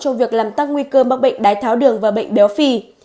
trong việc làm tăng nguy cơ mắc bệnh đái tháo đường và bệnh béo phì